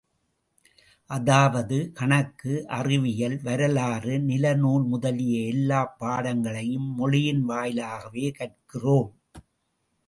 அதாவது, கணக்கு, அறிவியல், வரலாறு, நில நூல் முதலிய எல்லாப் பாடங்களையும் மொழியின் வாயிலாகவே கற்பிக்கிறோம்.